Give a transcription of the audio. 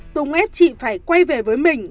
tùng ép chị phải quay về với mình